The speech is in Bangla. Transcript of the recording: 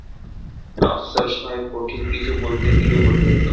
আফসার সাহেব কঠিন কিছু বলতে গিয়েও বললেন না।